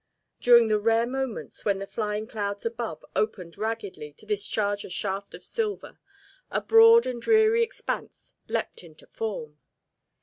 During the rare moments when the flying clouds above opened raggedly to discharge a shaft of silver a broad and dreary expanse leapt into form.